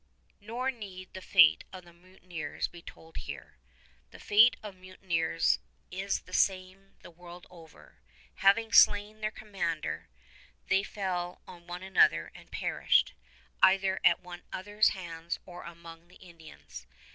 Nor need the fate of the mutineers be told here. The fate of mutineers is the same the world over. Having slain their commander, they fell on one another and perished, either at one another's hands or among the Indians.